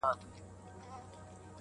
دلته رنګین، رنګین خوبونه لیدل!!